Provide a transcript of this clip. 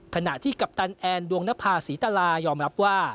ขณะที่กัปตันแอนดวงนภาษีตลายอมรับว่า